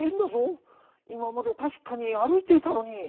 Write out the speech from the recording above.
いままでたしかにあるいていたのに」。